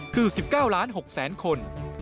คือ๑๙ล้าน๖แสนคน